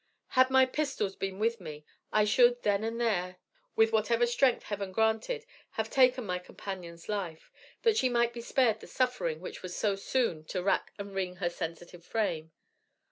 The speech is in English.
Had my pistols been with me, I should then and there, with whatever strength Heaven granted, have taken my companion's life, that she might be spared the suffering which was so soon to rack and wring her sensitive frame.